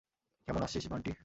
কেমন আছিস, বান্টি?